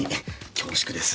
恐縮です。